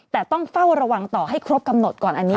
แต่ต้องเฝ้าระวังต่อให้ครบกำหนดก่อนอันนี้